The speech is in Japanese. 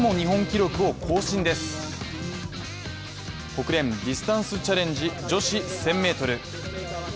ホクレンディスタンスチャレンジ女子１０００ｍ。